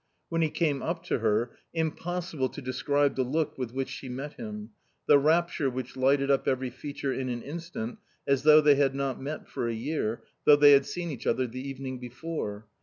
When he came up to her .... impossible to describe the look with which she met him, the rapture which lighted up every feature in an instant, as though they had not met for a year ; though they had seen each other the evening before.